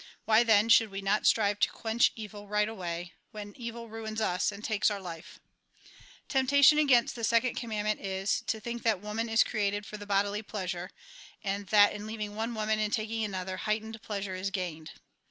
Why, then, should we not strive to quench evil right away, when evil ruins us, and takes our life ? Temptation against the second commandment is, to think that woman is created for bodily pleasure, 202 THE GOSPEL IN BRIEF and that in leaving one wonian and taking another, heightened pleasure is gained.